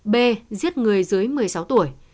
b giết người dưới một mươi sáu tuổi